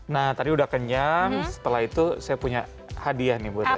nah tadi udah kenyang setelah itu saya punya hadiah nih buat